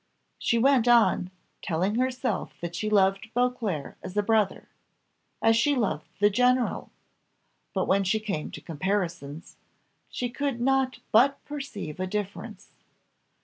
She went on, telling herself that she loved Beauclerc as a brother as she loved the general. But when she came to comparisons, she could not but perceive a difference.